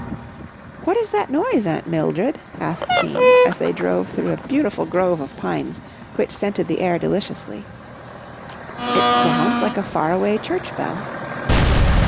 " What is that noise, Aunt Mildred? " asked Jean as they drove through a beautiful grove of pines which scented the air deliciously. " It sounds like a far away church bell."